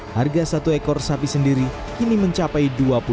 harga satu ekor sapi sendiri kini mencapai dua puluh satu lima ratus